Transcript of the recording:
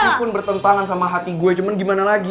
meskipun bertentangan sama hati gue cuman gimana lagi